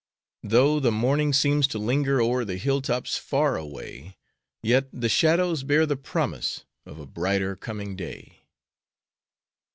Though the morning seems to linger O'er the hill tops far away, Yet the shadows bear the promise Of a brighter coming day.